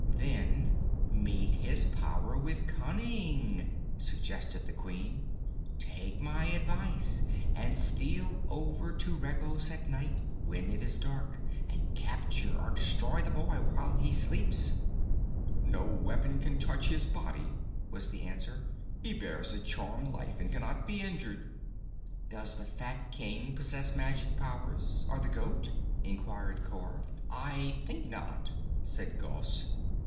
"Then meet his power with cunning," suggested the Queen. "Take my advice, and steal over to Regos at night, when it is dark, and capture or destroy the boy while he sleeps." "No weapon can touch his body," was the answer. "He bears a charmed life and cannot be injured." "Does the fat King possess magic powers, or the goat?" inquired Cor. "I think not," said Gos.